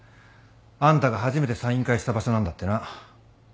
あんたが初めてサイン会した場所なんだってな。